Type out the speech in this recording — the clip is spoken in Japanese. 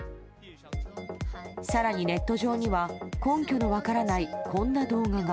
さらにネット上には、根拠の分からないこんな動画が。